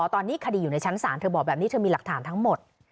ตอนนี้คดีอยู่ในชั้นศาลเธอบอกแบบนี้เธอมีหลักฐานทั้งหมด